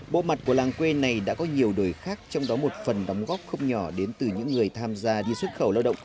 bộ mặt của làng quê này đã có nhiều đời khác trong đó một phần đóng góp không nhỏ đến từ những người tham gia đi xuất khẩu lao động